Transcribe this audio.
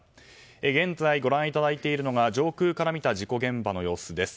現在ご覧いただいているのが上空から見た事故現場の様子です。